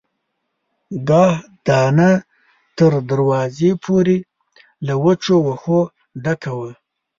کاه دانه تر دروازې پورې له وچو وښو ډکه وه.